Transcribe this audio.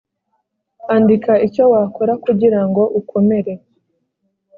andika icyo wakora kugirango ukomere